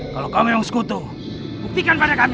kalau kamu memang sekutu buktikan pada kami